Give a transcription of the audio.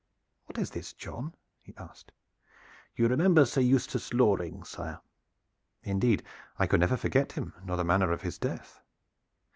"What is this, John?" he asked. "You remember Sir Eustace Loring, sire?" "Indeed I could never forget him nor the manner of his death."